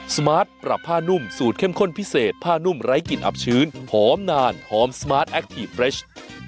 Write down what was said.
สมาร์ทปรับผ้านุ่มสูตรเข้มข้นพิเศษผ้านุ่มไร้กลิ่นอับชื้นหอมนานหอมสมาร์ทแคคทีฟเรช